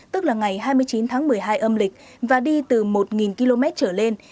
tức là ngày hai mươi chín tháng một mươi hai âm lịch và đi từ một km trở lên